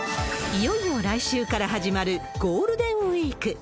いよいよ来週から始まるゴールデンウィーク。